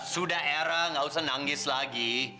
sudah era gak usah nangis lagi